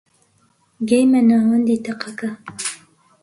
گەیمە ناوەندی تەقەکە